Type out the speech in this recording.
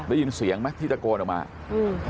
ได้ยินเสียงไหมที่ตะโกนออกมาอืม